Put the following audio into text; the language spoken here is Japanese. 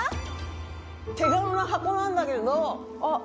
手頃な箱なんだけど。